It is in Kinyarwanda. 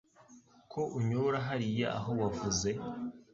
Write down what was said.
ko unyobora hariya aho wavuze